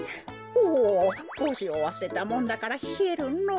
おぉぼうしをわすれたもんだからひえるのぉ。